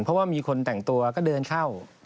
เพราะว่ามีคนแต่งตัวก็เดินเข้า